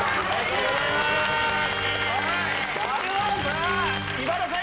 さあ今田さん